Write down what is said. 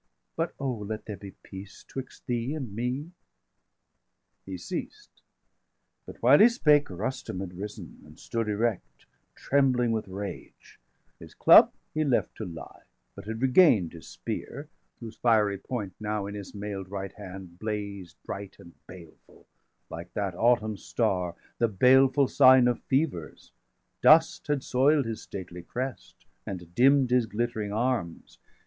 But oh, let there be peace 'twixt thee and me!" He ceased, but while he spake, Rustum had risen, And stood erect, trembling with rage; his club He left to lie, but had regain'd his spear, 450 Whose fiery point now in his mail'd right hand Blazed bright and baleful, like that autumn star,° °452 The baleful sign of fevers; dust had soil'd His stately crest,° and dimm'd his glittering arms.